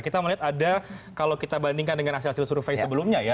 kita melihat ada kalau kita bandingkan dengan hasil hasil survei sebelumnya ya